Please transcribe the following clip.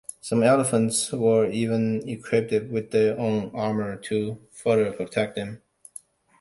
Some elephants were even equipped with their own armor to further protect them.